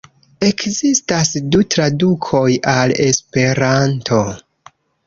Ekzistas du tradukoj al Esperanto.